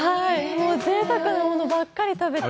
ぜいたくなものばかり食べて。